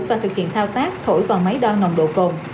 và thực hiện thao tác thổi vào máy đo nồng độ cồn